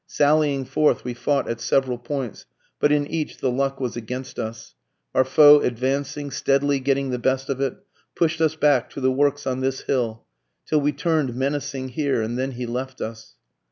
Sallying forth we fought at several points, but in each the luck was against us, Our foe advancing, steadily getting the best of it, push'd us back to the works on this hill, Till we turn'd menacing here, and then he left us.